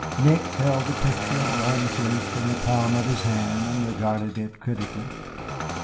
Nick held the picture at arm's length in the palm of his hand and regarded it critically.